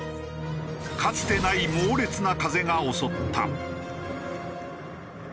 かつてない猛烈な風が襲った。